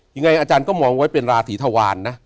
ยังไงอาจารย์ก็มองไว้เป็นราศีธวารนะ